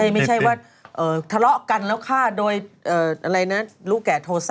ไม่ใช่ว่าทะเลาะกันแล้วฆ่าโดยอะไรนะรู้แก่โทษะ